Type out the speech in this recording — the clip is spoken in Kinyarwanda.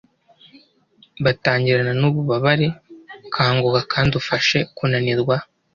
bitangirana nububabare .. kanguka kandi ufashe kunanirwa